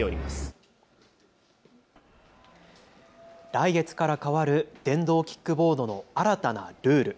来月から変わる電動キックボードの新たなルール。